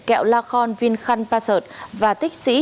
kẹo la khon vinh khanh parkert và tích sĩ